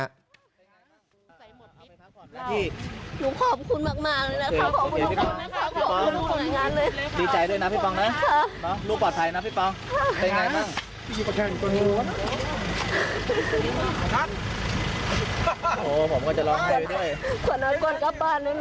หนูขอบคุณมากเลยนะครับ